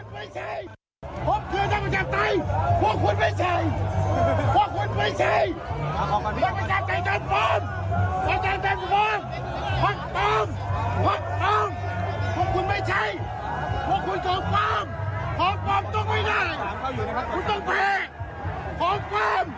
ผมเพิ่มคุณไม่เคยเจาะสู้